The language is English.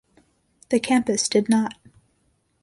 The campus did not.